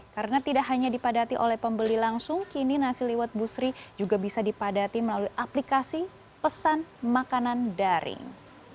karena tidak hanya dipadati oleh pembeli langsung kini nasi liwet busri juga bisa dipadati melalui aplikasi pesan makanan daring